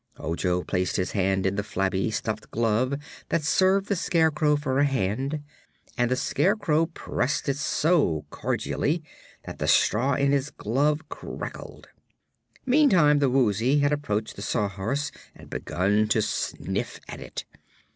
Ojo placed his hand in the flabby stuffed glove that served the Scarecrow for a hand, and the Scarecrow pressed it so cordially that the straw in his glove crackled. Meantime, the Woozy had approached the Sawhorse and begun to sniff at it.